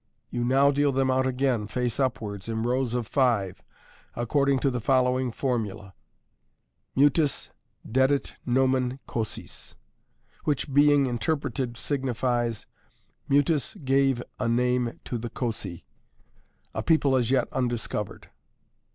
You now deal them out again, face upwards, in rows of five, according to the following formula : Mutus dedit nomen Cocis, which, being interpreted, signifies, " Mutus gave a name to the Coci," a people as yet undis covered.